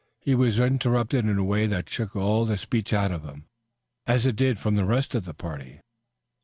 He was interrupted in a way that shook all the speech out of him, as it did from the rest of the party.